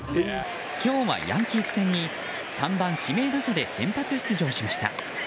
今日はヤンキース戦に３番指名打者で先発出場しました。